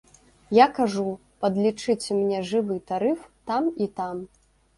Я кажу, падлічыце мне жывы тарыф там і там.